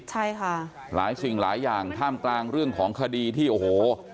ใช่ค่ะหลายสิ่งหลายอย่างท่ามกลางเรื่องของคดีที่โอ้โห